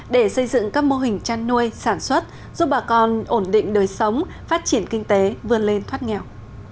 để xây dựng các mô hình chăn nuôi sản xuất giúp bà con ổn định đời sống phát triển kinh tế vươn lên thoát nghèo